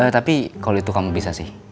tapi kalau itu kamu bisa sih